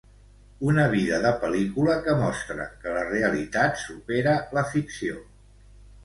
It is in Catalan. Una vida de pel·lícula que mostra que la realitat supera la ficció.